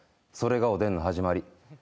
それがおでんの始まり。